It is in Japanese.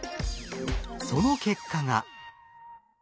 その結果が。